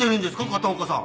片岡さん。